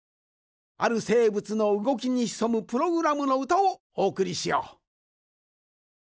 あるせいぶつのうごきにひそむプログラムのうたをおおくりしよう。